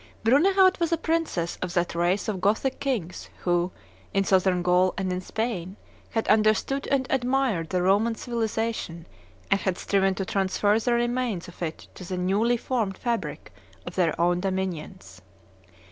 Brunehaut was a princess of that race of Gothic kings who, in Southern Gaul and in Spain, had understood and admired the Roman civilization, and had striven to transfer the remains of it to the newly formed fabric of their own dominions.